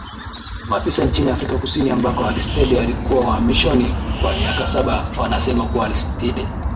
maafisa nchini afrika kusini ambako alistede alikuwa uhamishoni kwa miaka saba wanasema kuwa alistide